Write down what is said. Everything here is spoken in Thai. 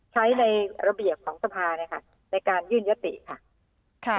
ใช้ในระเบียบของสภานะคะในการยื่นยติค่ะ